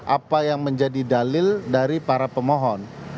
apa yang menjadi dalil dari para pemohon